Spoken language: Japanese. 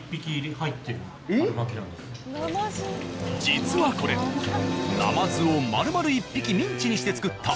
実はこれなまずをまるまる１匹ミンチにして作った。